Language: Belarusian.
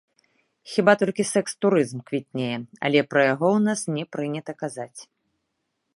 Хіба толькі сэкс-турызм квітнее, але пра яго ў нас не прынята казаць.